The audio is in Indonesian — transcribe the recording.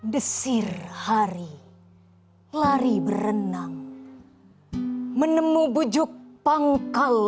desir hari lari berenang menemu bujuk pangkal